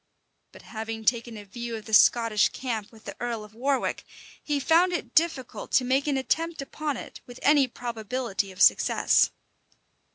But having taken a view of the Scottish camp with the earl of Warwick, he found it difficult to make an attempt upon it with any probability of success.